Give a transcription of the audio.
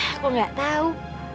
aku gak tau